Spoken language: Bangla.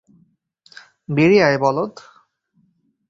বেরিয়ে আয়, বলদ।